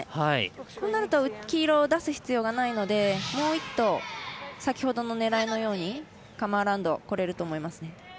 こうなると黄色を出す必要がないのでもう１投、先ほどの狙いのようにカムアラウンドこれると思います。